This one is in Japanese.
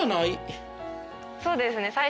そうですね。